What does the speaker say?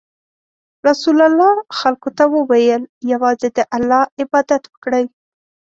رسول الله خلکو ته وویل: یوازې د الله عبادت وکړئ.